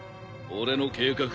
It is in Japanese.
俺の計画